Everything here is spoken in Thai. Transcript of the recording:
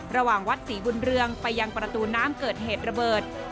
ระหว่างวัดศรีบุญเรืองไปยังประตูน้ำเกิดเหตุระเบิด